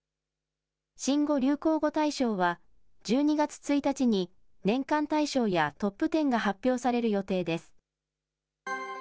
新語・流行語大賞は、１２月１日に、年間大賞やトップテンが発表される予定です。